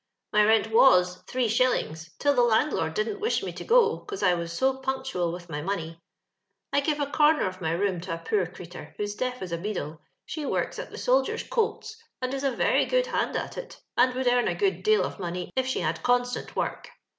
My rent was three shillings, till the landlord didn't wish me to go, 'cause I was so punctual with my money. I give a comer of my room to a poor cretur, who's deaf as a beadle; i?he works at the soldiers' coats, and is a very good hand at it, and would earn a good deal of money if she had constant work.